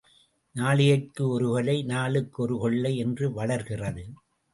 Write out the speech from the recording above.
நாழிகைக்கு ஒரு கொலை நாளுக்கு ஒரு கொள்ளை என்று வளர்கிறது.